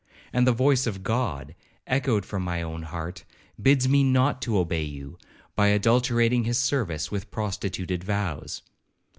And the voice of God, echoed from my own heart, bids me not to obey you, by adulterating his service with prostituted vows.'